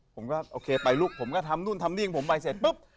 ผมก็โอเคไปลูกผมก็ทำนู่นทำนี่ของผมไปเสร็จปุ๊บ